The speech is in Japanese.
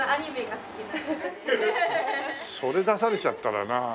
それ出されちゃったらなあ。